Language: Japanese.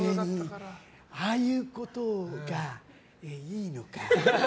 ああいうことがいいのか。